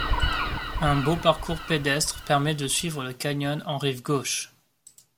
Un beau parcours pédestre permet de suivre le canyon en rive gauche.